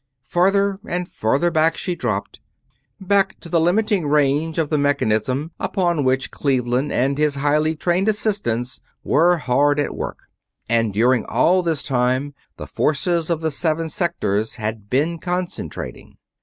Farther and farther back she dropped, back to the limiting range of the mechanism upon which Cleveland and his highly trained assistants were hard at work. And during all this time the forces of the seven sectors had been concentrating.